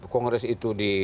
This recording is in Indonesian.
kongres itu di